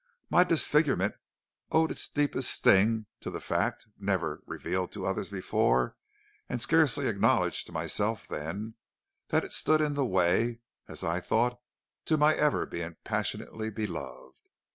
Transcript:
My disfigurement owed its deepest sting to the fact, never revealed to others before, and scarcely acknowledged to myself then, that it stood in the way, as I thought, to my ever being passionately beloved.